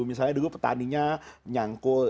misalnya dulu petaninya nyangkul